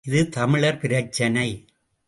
இது தமிழர் பிரச்சினை.